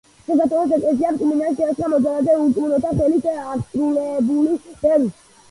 საქართველოს ეკლესიამ წმინდანად შერაცხა მოძალადე ურწმუნოთა ხელით აღსრულებული ბერი.